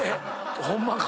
ホンマか？